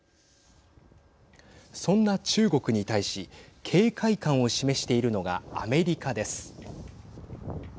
そんな中国に対し警戒感を示しているのがアメリカです。